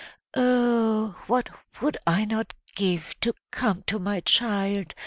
"Oh, what would I not give to come to my child!"